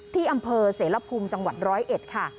ที่อำเภอเสรพุมจังหวัด๑๐๑ค่ะ